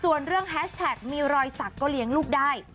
ส่วนเรื่องแฮชแท็กมีรอยสักก็เลี้ยงลูกได้